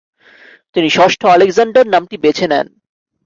তিনি ষষ্ঠ আলেকজান্ডার নামটি বেছে নেন।